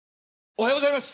おはようございます。